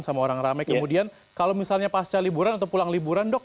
sama orang ramai kemudian kalau misalnya pasca liburan atau pulang liburan dok